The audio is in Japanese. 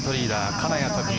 金谷拓実